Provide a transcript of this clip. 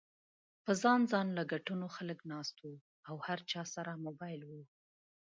پۀ ځان ځانله کټونو خلک ناست وو او هر چا سره موبايل ؤ